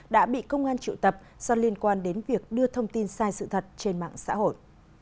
đã bị công an triệu tập do liên quan đến việc đưa thông tin sai sự thật trên mạng xã hội